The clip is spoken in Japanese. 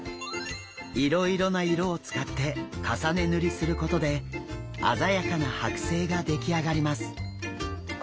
いろいろな色を使って重ね塗りすることで鮮やかなはく製が出来上がります。